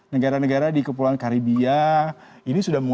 negara negara di kepulauan karibia